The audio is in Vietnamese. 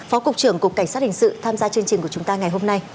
phó cục trưởng cục cảnh sát hình sự tham gia chương trình của chúng ta ngày hôm nay